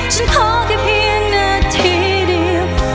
ขอแค่เพียงนาทีเดียว